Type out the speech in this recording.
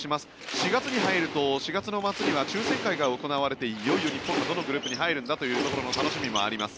４月に入ると４月末には抽選会が行われていよいよ日本がどこのグループに入るんだという楽しみもあります。